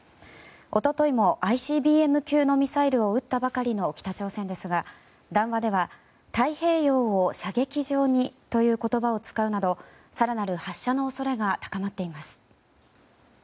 一昨日もＩＣＢＭ級のミサイルを撃ったばかりの北朝鮮ですが談話では、太平洋を射撃場にという言葉を使うなど更なる発射の恐れが高まっています。